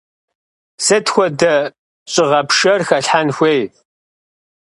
Сыт хуэдэ щӏыгъэпшэр хэлъхьэн хуей?